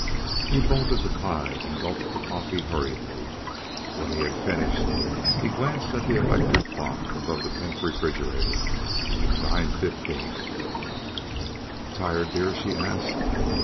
He bolted the pie and gulped the coffee hurriedly. When he had finished, he glanced at the electric clock above the pink refrigerator. 9:15. "Tired, dear?" She asked.